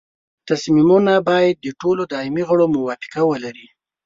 تصمیمونه باید د ټولو دایمي غړو موافقه ولري.